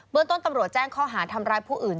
เมืองต้นตำรวจแจ้งข้อหาทำร้ายผู้อื่น